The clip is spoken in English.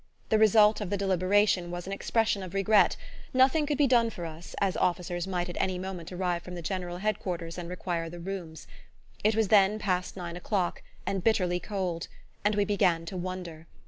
The result of the deliberation, was an expression of regret: nothing could be done for us, as officers might at any moment arrive from the General Head quarters and require the rooms. It was then past nine o'clock, and bitterly cold and we began to wonder.